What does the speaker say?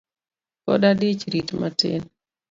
Pod adich rit matin